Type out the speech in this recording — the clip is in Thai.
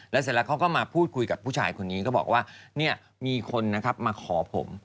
เสร็จแล้วเขาก็มาพูดคุยกับผู้ชายคนนี้ก็บอกว่าเนี่ยมีคนนะครับมาขอผม